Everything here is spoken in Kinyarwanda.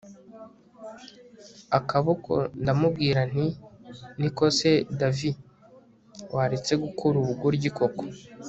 akaboko ndamubwira nti niko se davi! waretse gukora ubugoryi koko